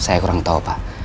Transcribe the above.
saya kurang tau pak